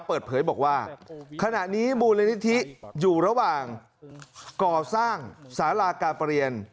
เปิดเผยบอกว่าขณะนี้มูลนิธิอยู่ระหว่างก่อสร้างสารากาประเรียน